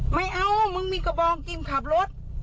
ไม่เอามึงมีกระบองกิมขับรถ